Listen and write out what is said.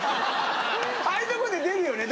ああいうとこで出るよね